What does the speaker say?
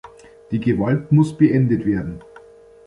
Die Gewalt muss beendet werden.